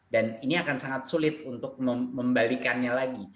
dan ini akan sangat sulit untuk membalikannya lagi